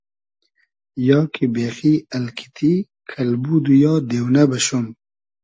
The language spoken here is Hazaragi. یا کی بېخی الکیتی , کئلبود و یا دېونۂ بئشوم